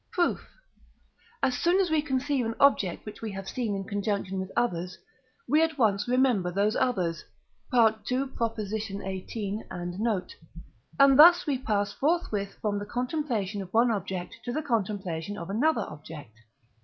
Proof. As soon as we conceive an object which we have seen in conjunction with others, we at once remember those others (II. xviii. and note), and thus we pass forthwith from the contemplation of one object to the contemplation of another object.